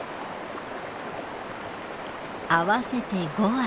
合わせて５羽。